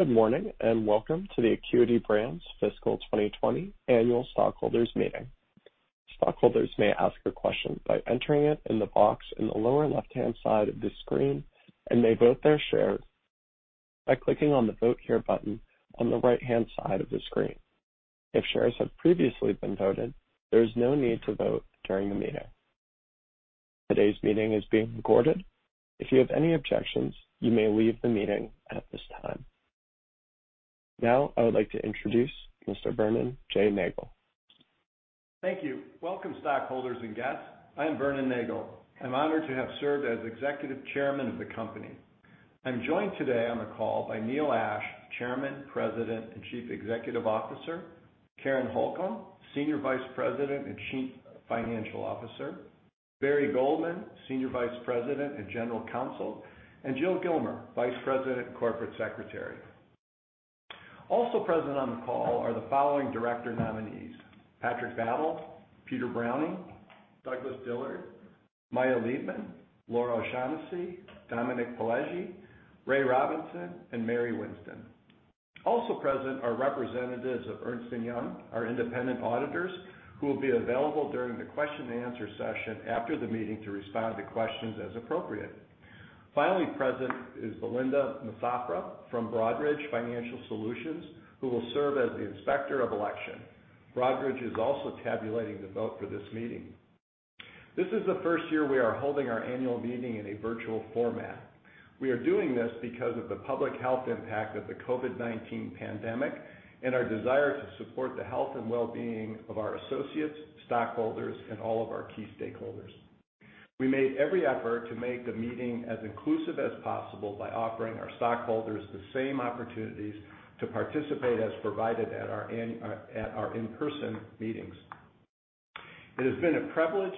Good morning, and welcome to the Acuity Brands Fiscal 2020 Annual Stockholders Meeting. Stockholders may ask a question by entering it in the box in the lower left-hand side of the screen, and may vote their shares by clicking on the vote here button on the right-hand side of the screen. If shares have previously been voted, there is no need to vote during the meeting. Today's meeting is being recorded. If you have any objections, you may leave the meeting at this time. Now, I would like to introduce Mr. Vernon J. Nagel. Thank you. Welcome, stockholders and guests. I am Vernon Nagel. I'm honored to have served as executive chairman of the company. I'm joined today on the call by Neil Ashe, Chairman, President, and Chief Executive Officer, Karen Holcomb, Senior Vice President and Chief Financial Officer, Barry Goldman, Senior Vice President and General Counsel, and Jill Gilmer, Vice President and Corporate Secretary. Also present on the call are the following director nominees: Patrick Battle, Peter Browning, Douglas Dillard, Maya Leibman, Laura O'Shaughnessy, Dominic Pileggi, Ray Robinson, and Mary Winston. Also present are representatives of Ernst & Young, our independent auditors, who will be available during the question-and-answer session after the meeting to respond to questions as appropriate. Finally present is Belinda Massafra from Broadridge Financial Solutions, who will serve as the inspector of election. Broadridge is also tabulating the vote for this meeting. This is the first year we are holding our annual meeting in a virtual format. We are doing this because of the public health impact of the COVID-19 pandemic and our desire to support the health and wellbeing of our associates, stockholders, and all of our key stakeholders. We made every effort to make the meeting as inclusive as possible by offering our stockholders the same opportunities to participate as provided at our in-person meetings. It has been a privilege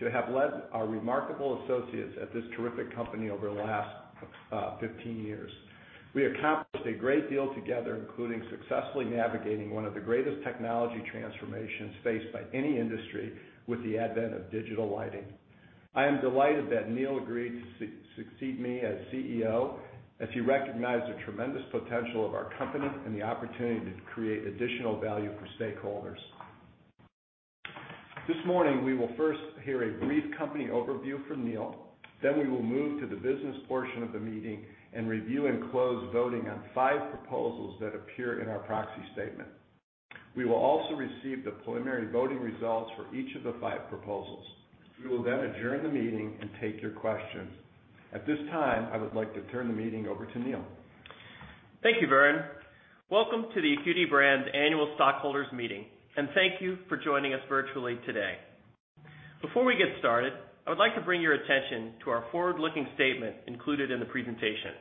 to have led our remarkable associates at this terrific company over the last 15 years. We accomplished a great deal together, including successfully navigating one of the greatest technology transformations faced by any industry with the advent of digital lighting. I am delighted that Neil agreed to succeed me as CEO, as he recognized the tremendous potential of our company and the opportunity to create additional value for stakeholders. This morning, we will first hear a brief company overview from Neil. We will then move to the business portion of the meeting and review and close voting on five proposals that appear in our proxy statement. We will also receive the preliminary voting results for each of the five proposals. We will then adjourn the meeting and take your questions. At this time, I would like to turn the meeting over to Neil. Thank you, Vernon. Welcome to the Acuity Brands Annual Stockholders Meeting, and thank you for joining us virtually today. Before we get started, I would like to bring your attention to our forward-looking statement included in the presentation.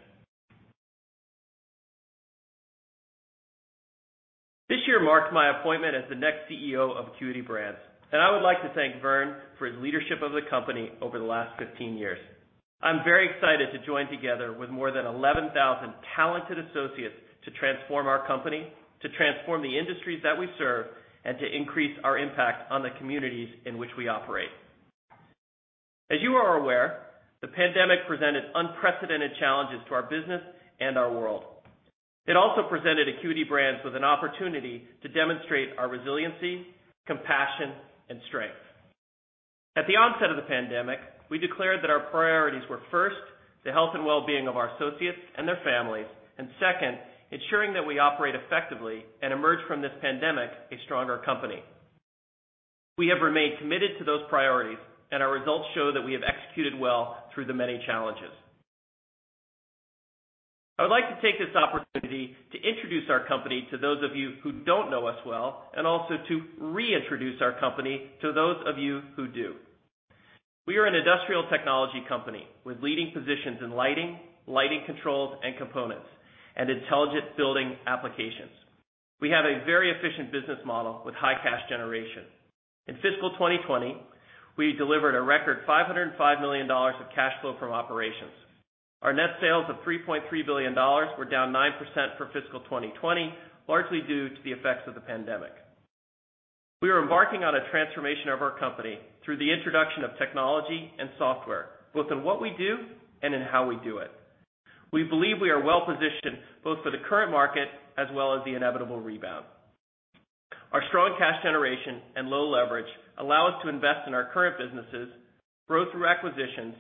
This year marks my appointment as the next CEO of Acuity Brands, and I would like to thank Vernon for his leadership of the company over the last 15 years. I'm very excited to join together with more than 11,000 talented associates to transform our company, to transform the industries that we serve, and to increase our impact on the communities in which we operate. As you are aware, the pandemic presented unprecedented challenges to our business and our world. It also presented Acuity Brands with an opportunity to demonstrate our resiliency, compassion, and strength. At the onset of the pandemic, we declared that our priorities were first, the health and wellbeing of our associates and their families, and second, ensuring that we operate effectively and emerge from this pandemic a stronger company. We have remained committed to those priorities, and our results show that we have executed well through the many challenges. I would like to take this opportunity to introduce our company to those of you who don't know us well, and also to reintroduce our company to those of you who do. We are an industrial technology company with leading positions in lighting controls and components, and intelligent building applications. We have a very efficient business model with high cash generation. In fiscal 2020, we delivered a record $505 million of cash flow from operations. Our net sales of $3.3 billion were down 9% for fiscal 2020, largely due to the effects of the pandemic. We are embarking on a transformation of our company through the introduction of technology and software, both in what we do and in how we do it. We believe we are well-positioned both for the current market as well as the inevitable rebound. Our strong cash generation and low leverage allow us to invest in our current businesses, grow through acquisitions,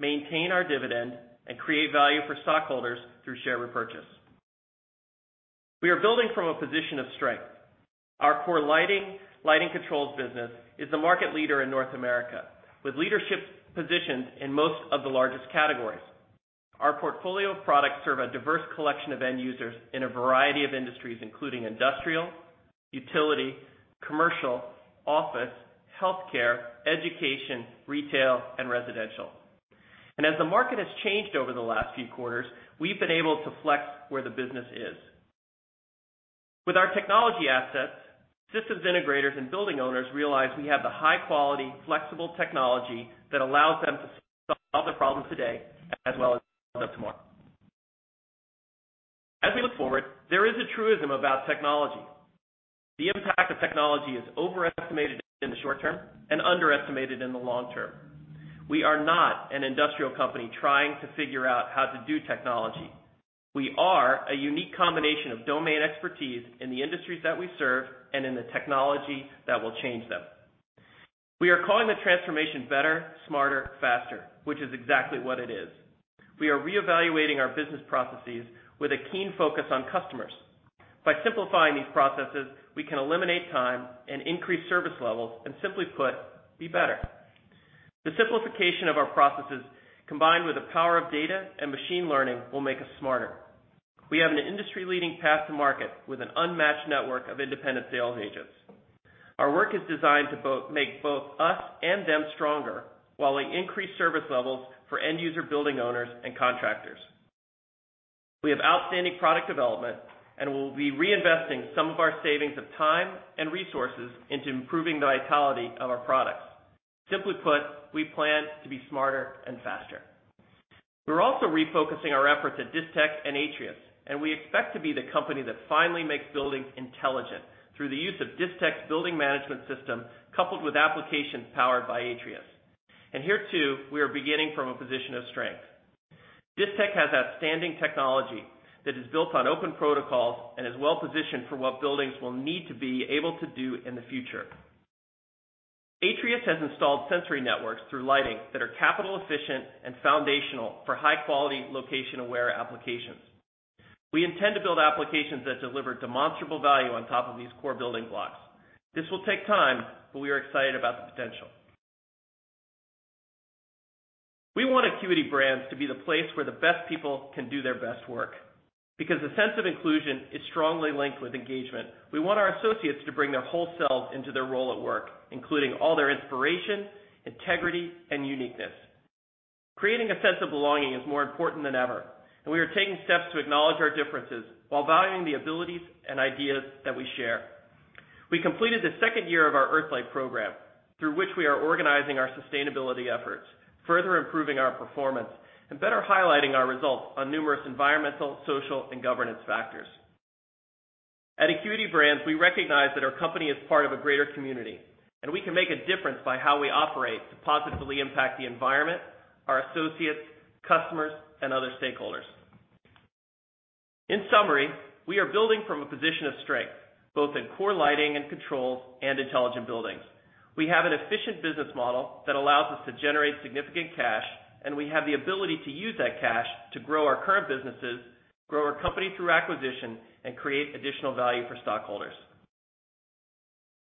maintain our dividend, and create value for stockholders through share repurchase. We are building from a position of strength. Our core lighting controls business is the market leader in North America, with leadership positions in most of the largest categories. Our portfolio of products serve a diverse collection of end users in a variety of industries, including industrial, utility, commercial, office, healthcare, education, retail, and residential. As the market has changed over the last few quarters, we've been able to flex where the business is. With our technology assets, systems integrators and building owners realize we have the high-quality, flexible technology that allows them to solve their problems today as well as tomorrow. As we look forward, there is a truism about technology. The impact of technology is overestimated in the short term and underestimated in the long term. We are not an industrial company trying to figure out how to do technology. We are a unique combination of domain expertise in the industries that we serve and in the technology that will change them. We are calling the transformation better, smarter, faster, which is exactly what it is. We are reevaluating our business processes with a keen focus on customers. By simplifying these processes, we can eliminate time and increase service levels and simply put, be better. The simplification of our processes, combined with the power of data and machine learning, will make us smarter. We have an industry-leading path to market with an unmatched network of independent sales agents. Our work is designed to make both us and them stronger, while we increase service levels for end user building owners and contractors. We have outstanding product development, and we'll be reinvesting some of our savings of time and resources into improving the vitality of our products. Simply put, we plan to be smarter and faster. We're also refocusing our efforts at Distech and Atrius, and we expect to be the company that finally makes buildings intelligent through the use of Distech's building management system, coupled with applications powered by Atrius. Here too, we are beginning from a position of strength. Distech has outstanding technology that is built on open protocols and is well-positioned for what buildings will need to be able to do in the future. Atrius has installed sensory networks through lighting that are capital efficient and foundational for high-quality location-aware applications. We intend to build applications that deliver demonstrable value on top of these core building blocks. This will take time, but we are excited about the potential. We want Acuity Brands to be the place where the best people can do their best work. Because the sense of inclusion is strongly linked with engagement, we want our associates to bring their whole selves into their role at work, including all their inspiration, integrity, and uniqueness. Creating a sense of belonging is more important than ever, and we are taking steps to acknowledge our differences while valuing the abilities and ideas that we share. We completed the second year of our EarthLIGHT program, through which we are organizing our sustainability efforts, further improving our performance, and better highlighting our results on numerous environmental, social, and governance factors. At Acuity Brands, we recognize that our company is part of a greater community, and we can make a difference by how we operate to positively impact the environment, our associates, customers, and other stakeholders. In summary, we are building from a position of strength, both in core lighting and controls, and intelligent buildings. We have an efficient business model that allows us to generate significant cash, and we have the ability to use that cash to grow our current businesses, grow our company through acquisition, and create additional value for stockholders.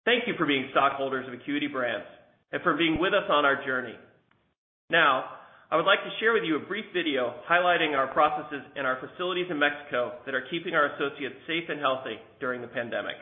Thank you for being stockholders of Acuity Brands and for being with us on our journey. Now, I would like to share with you a brief video highlighting our processes in our facilities in Mexico that are keeping our associates safe and healthy during the pandemic.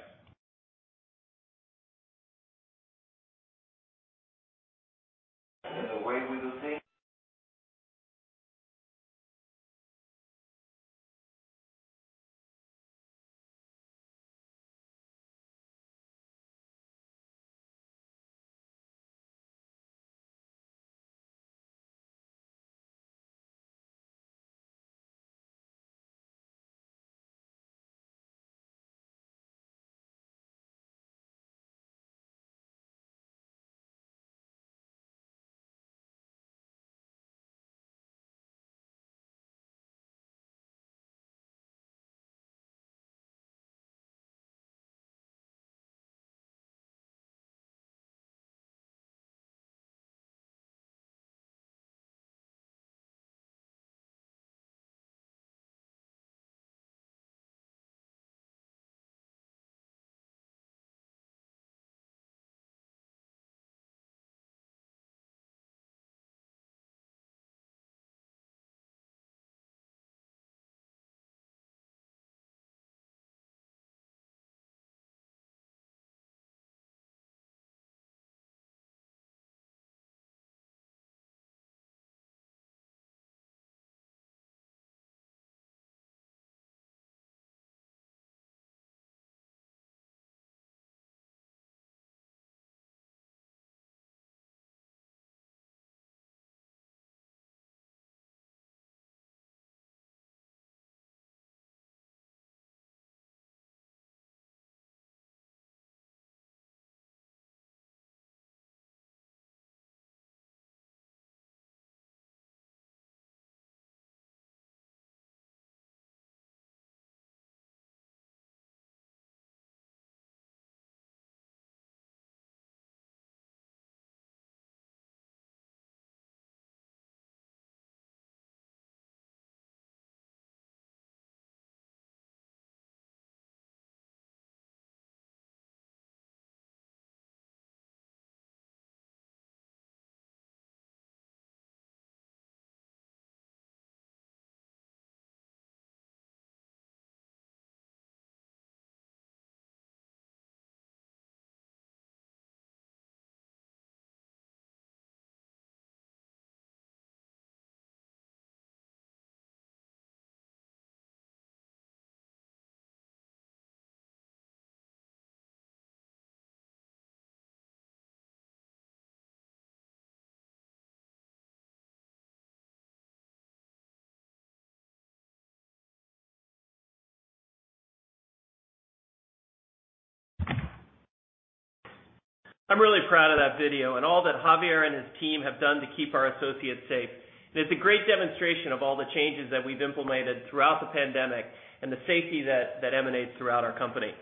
The way we do things. I'm really proud of that video and all that Javier and his team have done to keep our associates safe. It's a great demonstration of all the changes that we've implemented throughout the pandemic and the safety that emanates throughout our company.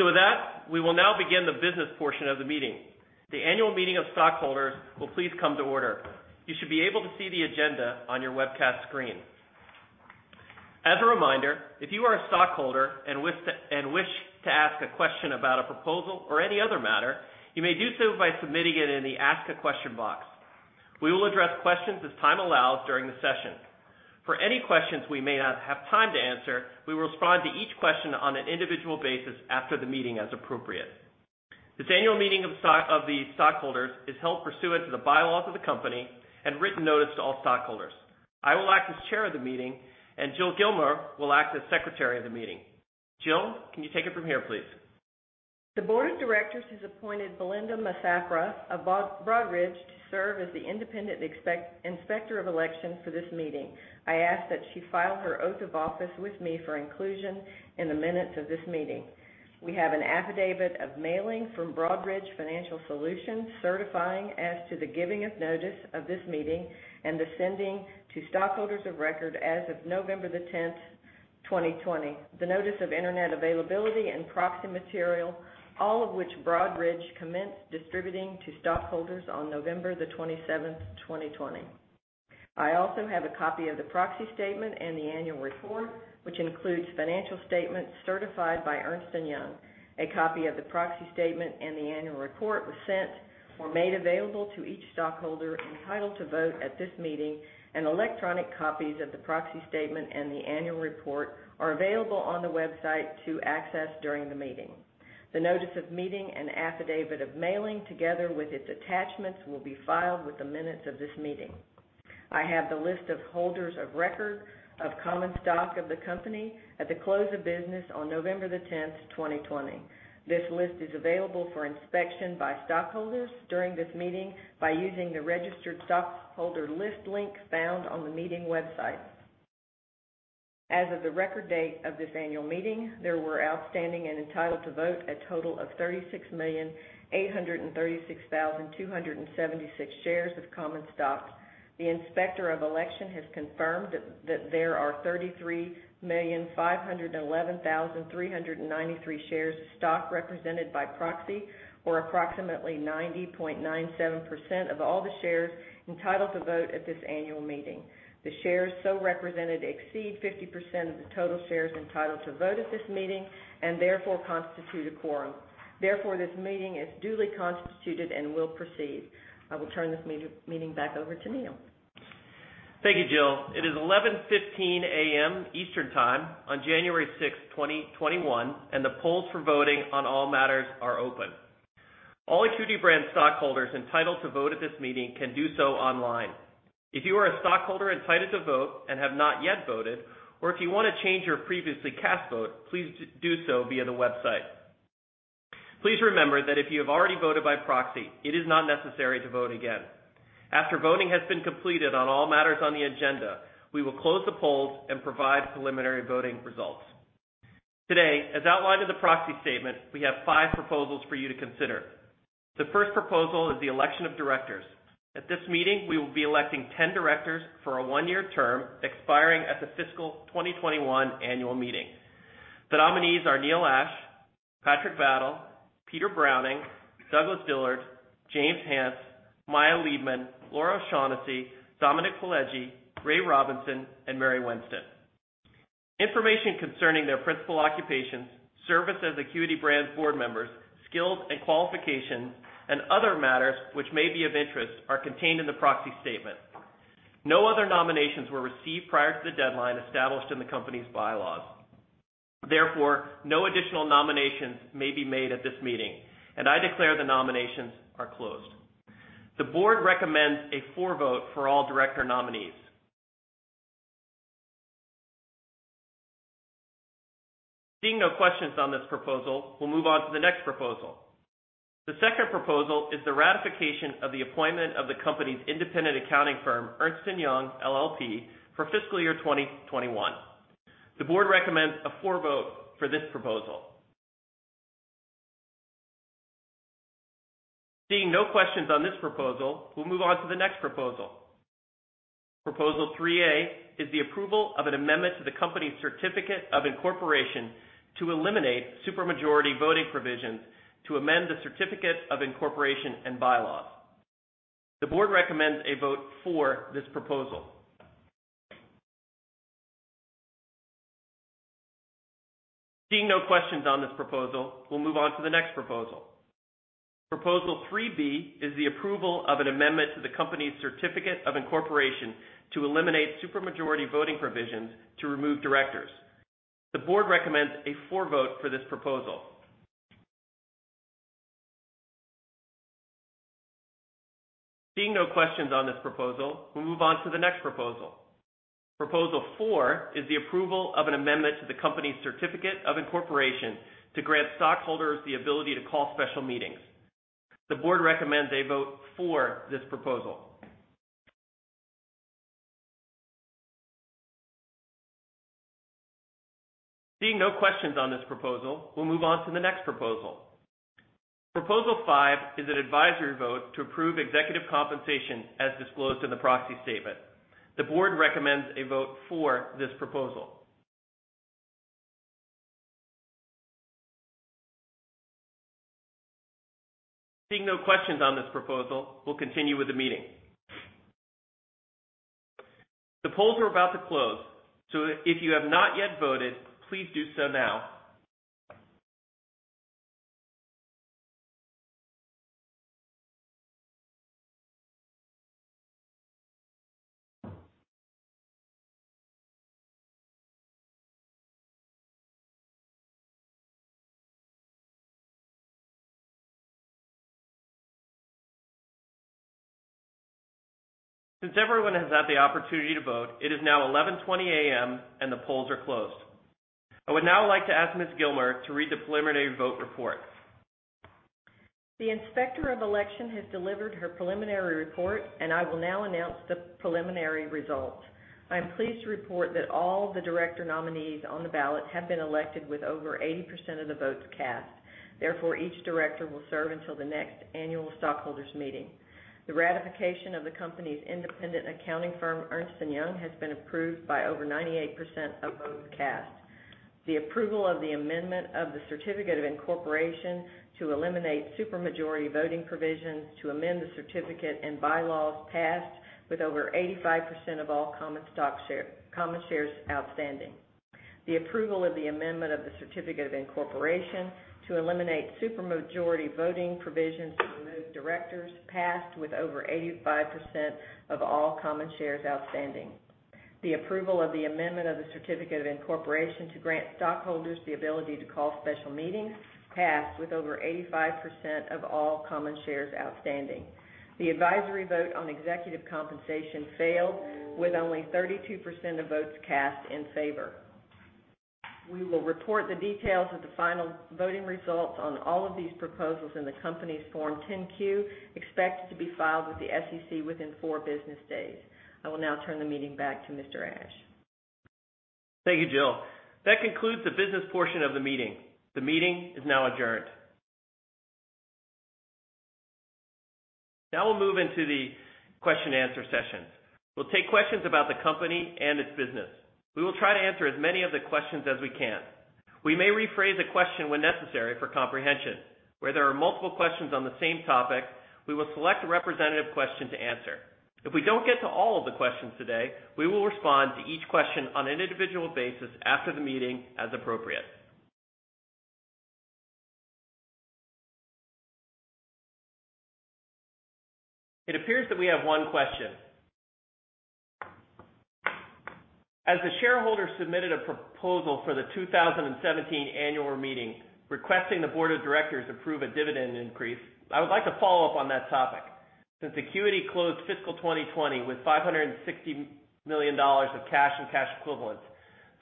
With that, we will now begin the business portion of the meeting. The annual meeting of stockholders will please come to order. You should be able to see the agenda on your webcast screen. As a reminder, if you are a stockholder and wish to ask a question about a proposal or any other matter, you may do so by submitting it in the Ask A Question box. We will address questions as time allows during the session. For any questions we may not have time to answer, we will respond to each question on an individual basis after the meeting as appropriate. This annual meeting of the stockholders is held pursuant to the bylaws of the company and written notice to all stockholders. I will act as chair of the meeting, and Jill Gilmer will act as secretary of the meeting. Jill, can you take it from here, please? The board of directors has appointed Belinda Massafra of Broadridge to serve as the independent Inspector of Election for this meeting. I ask that she file her oath of office with me for inclusion in the minutes of this meeting. We have an affidavit of mailing from Broadridge Financial Solutions certifying as to the giving of notice of this meeting and the sending to stockholders of record as of November 10, 2020, the notice of internet availability and proxy material, all of which Broadridge commenced distributing to stockholders on November 27, 2020. I also have a copy of the proxy statement and the annual report, which includes financial statements certified by Ernst & Young. A copy of the proxy statement and the annual report was sent or made available to each stockholder entitled to vote at this meeting, and electronic copies of the proxy statement and the annual report are available on the website to access during the meeting. The notice of meeting and affidavit of mailing together with its attachments will be filed with the minutes of this meeting. I have the list of holders of record of common stock of the company at the close of business on November the 10th, 2020. This list is available for inspection by stockholders during this meeting by using the registered stockholder list link found on the meeting website. As of the record date of this annual meeting, there were outstanding and entitled to vote a total of 36,836,276 shares of common stock. The inspector of election has confirmed that there are 33,511,393 shares of stock represented by proxy, or approximately 90.97% of all the shares entitled to vote at this annual meeting. The shares so represented exceed 50% of the total shares entitled to vote at this meeting and therefore constitute a quorum. Therefore, this meeting is duly constituted and will proceed. I will turn this meeting back over to Neil. Thank you, Jill. It is 11:15 A.M. Eastern Time on January 6th, 2021, and the polls for voting on all matters are open. All Acuity Brands stockholders entitled to vote at this meeting can do so online. If you are a stockholder entitled to vote and have not yet voted, or if you want to change your previously cast vote, please do so via the website. Please remember that if you have already voted by proxy, it is not necessary to vote again. After voting has been completed on all matters on the agenda, we will close the polls and provide preliminary voting results. Today, as outlined in the proxy statement, we have five proposals for you to consider. The first proposal is the election of directors. At this meeting, we will be electing 10 directors for a one-year term expiring at the fiscal 2021 annual meeting. The nominees are Neil Ashe, Patrick Battle, Peter Browning, Douglas Dillard, James Hance, Maya Leibman, Laura O'Shaughnessy, Dominic Pileggi, Ray Robinson, and Mary Winston. Information concerning their principal occupations, service as Acuity Brands board members, skills and qualifications, and other matters which may be of interest are contained in the proxy statement. No other nominations were received prior to the deadline established in the company's bylaws. Therefore, no additional nominations may be made at this meeting, and I declare the nominations are closed. The board recommends a for vote for all director nominees. Seeing no questions on this proposal, we will move on to the next proposal. The second proposal is the ratification of the appointment of the company's independent accounting firm, Ernst & Young LLP, for fiscal year 2021. The board recommends a for vote for this proposal. Seeing no questions on this proposal, we'll move on to the next proposal. Proposal 3A is the approval of an amendment to the company's certificate of incorporation to eliminate supermajority voting provisions to amend the certificate of incorporation and bylaws. The board recommends a vote for this proposal. Seeing no questions on this proposal, we'll move on to the next proposal. Proposal 3B is the approval of an amendment to the company's certificate of incorporation to eliminate supermajority voting provisions to remove directors. The board recommends a for vote for this proposal. Seeing no questions on this proposal, we'll move on to the next proposal. Proposal four is the approval of an amendment to the company's certificate of incorporation to grant stockholders the ability to call special meetings. The board recommends a vote for this proposal. Seeing no questions on this proposal, we'll move on to the next proposal. Proposal five is an advisory vote to approve executive compensation as disclosed in the proxy statement. The board recommends a vote for this proposal. Seeing no questions on this proposal, we'll continue with the meeting. The polls are about to close, so if you have not yet voted, please do so now. Since everyone has had the opportunity to vote, it is now 11:20 A.M. and the polls are closed. I would now like to ask Ms. Gilmer to read the preliminary vote report. The Inspector of Election has delivered her preliminary report, and I will now announce the preliminary results. I am pleased to report that all the director nominees on the ballot have been elected with over 80% of the votes cast. Therefore, each director will serve until the next annual stockholders meeting. The ratification of the company's independent accounting firm, Ernst & Young, has been approved by over 98% of votes cast. The approval of the amendment of the certificate of incorporation to eliminate super majority voting provisions to amend the certificate and bylaws passed with over 85% of all common shares outstanding. The approval of the amendment of the certificate of incorporation to eliminate super majority voting provisions to remove directors passed with over 85% of all common shares outstanding. The approval of the amendment of the certificate of incorporation to grant stockholders the ability to call special meetings passed with over 85% of all common shares outstanding. The advisory vote on executive compensation failed with only 32% of votes cast in favor. We will report the details of the final voting results on all of these proposals in the company's Form 10-Q, expected to be filed with the SEC within four business days. I will now turn the meeting back to Mr. Ashe. Thank you, Jill. That concludes the business portion of the meeting. The meeting is now adjourned. Now we'll move into the question-answer-session. We'll take questions about the company and its business. We will try to answer as many of the questions as we can. We may rephrase a question when necessary for comprehension. Where there are multiple questions on the same topic, we will select a representative question to answer. If we don't get to all of the questions today, we will respond to each question on an individual basis after the meeting as appropriate. It appears that we have one question. As the shareholder submitted a proposal for the 2017 annual meeting requesting the board of directors approve a dividend increase, I would like to follow up on that topic. Since Acuity closed fiscal 2020 with $560 million of cash and cash equivalents,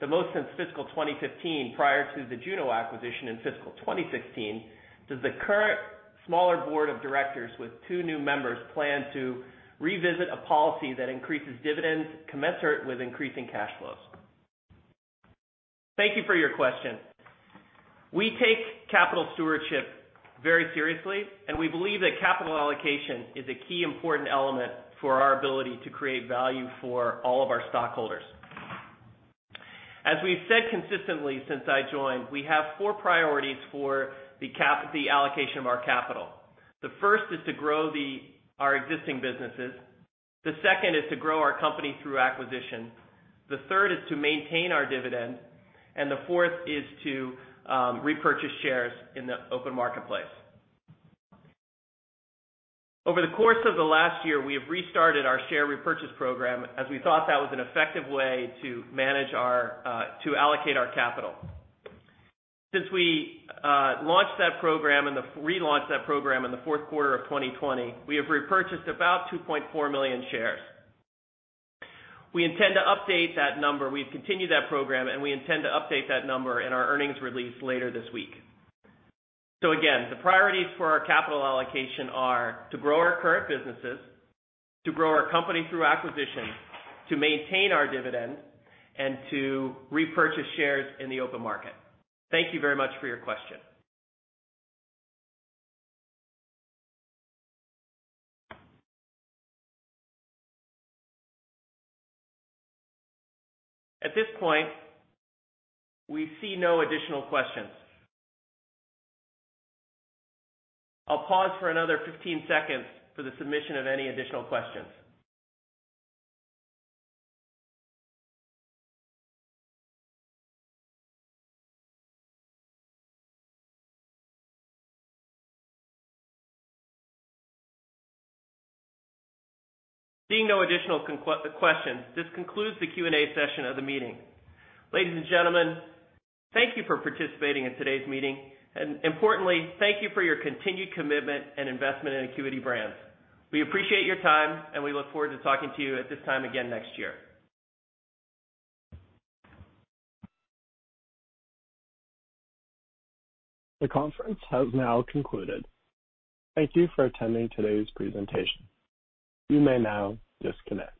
the most since fiscal 2015 prior to the Juno Lighting Group acquisition in fiscal 2016, does the current smaller board of directors with two new members plan to revisit a policy that increases dividends commensurate with increasing cash flows? Thank you for your question. We take capital stewardship very seriously, and we believe that capital allocation is a key important element for our ability to create value for all of our stockholders. As we've said consistently since I joined, we have four priorities for the allocation of our capital. The first is to grow our existing businesses, the second is to grow our company through acquisition, the third is to maintain our dividend, and the fourth is to repurchase shares in the open marketplace. Over the course of the last year, we have restarted our share repurchase program as we thought that was an effective way to allocate our capital. Since we relaunched that program in the fourth quarter of 2020, we have repurchased about 2.4 million shares. We've continued that program and we intend to update that number in our earnings release later this week. Again, the priorities for our capital allocation are to grow our current businesses, to grow our company through acquisition, to maintain our dividend, and to repurchase shares in the open market. Thank you very much for your question. At this point, we see no additional questions. I'll pause for another 15 seconds for the submission of any additional questions. Seeing no additional questions, this concludes the Q and A session of the meeting. Ladies and gentlemen, thank you for participating in today's meeting, and importantly, thank you for your continued commitment and investment in Acuity Brands. We appreciate your time and we look forward to talking to you at this time again next year. The conference has now concluded. Thank you for attending today's presentation. You may now disconnect.